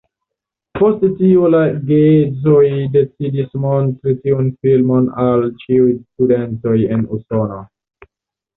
Post tio la geedzoj decidis montri tiun filmon al ĉiuj studentoj en Usono.